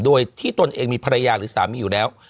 โดยที่ตนเองมีภรรยาหรือสามีอยู่แล้ว